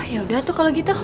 yaudah tuh kalau gitu